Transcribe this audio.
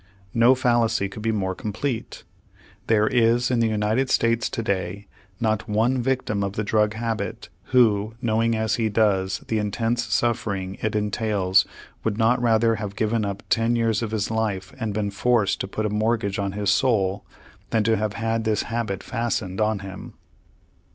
No fallacy could be more complete. There is in the United States to day not one victim of the drug habit who, knowing as he does the intense suffering it entails, would not rather have given up ten years of his life and been forced to put a mortgage on his soul than to have had this habit fastened on him.